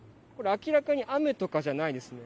明らかに雨とかじゃないですね。